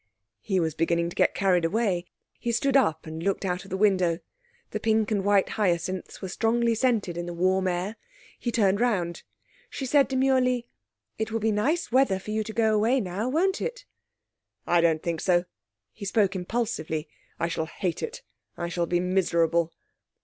He was beginning to get carried away. He stood up and looked out of the window. The pink and white hyacinths were strongly scented in the warm air. He turned round. She said demurely: 'It will be nice weather for you to go away now, won't it?' 'I don't think so.' He spoke impulsively. 'I shall hate it; I shall be miserable.'